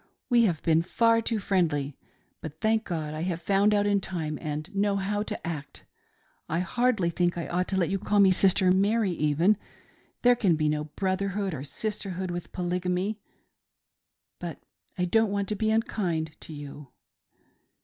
We have been far too friendly, but, thank God, I have found out in time, and know how to act. I hardly think I ought to let you call me Sister Mary even ;— there can be no brotherhood or sisterhood with Poly gamy ; but I don't want to be unkind to you."